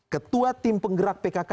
ketua tim penggerak pkk